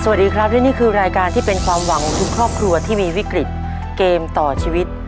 สวัสดีครับและนี่คือรายการที่เป็นความหวังของทุกครอบครัวที่มีวิกฤตเกมต่อชีวิต